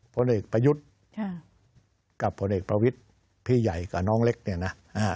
ผลเอกประยุทธ์กับผลเอกประวิทย์พี่ใหญ่กับน้องเล็กเนี่ยนะ